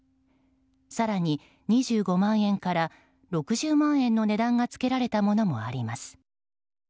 更に、２５万円から６０万円の値段がつけられたものもあります。